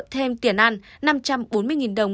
thêm tiền ăn năm trăm bốn mươi đồng